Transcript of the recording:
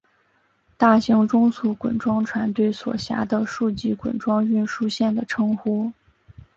大型中速滚装船对所辖的数级滚装运输舰的称呼。